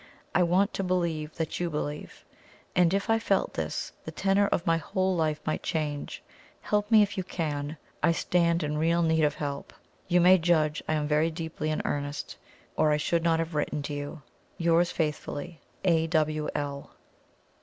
I want to believe that YOU believe and if I felt this, the tenor of my whole life might change. Help me if you can I stand in real need of help. You may judge I am very deeply in earnest, or I should not have written to you. "Yours faithfully, "A. W. L."